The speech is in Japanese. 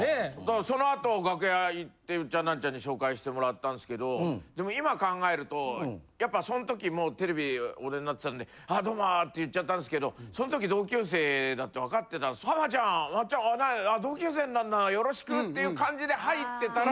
そのあと楽屋行ってウッチャンナンチャンに紹介してもらったんですけどでも今考えるとやっぱそん時もうテレビお出になってたんで「ああどうも」って言っちゃったんですけどそん時同級生だって分かってたら「浜ちゃん松ちゃん同級生なんだよろしく」っていう感じで入ってたら。